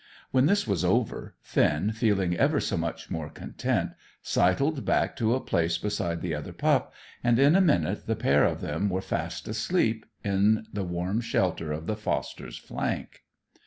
When this was over, Finn, feeling ever so much more content, sidled back to a place beside the other pup, and in a minute the pair of them were fast asleep in the warm shelter of the foster's flank.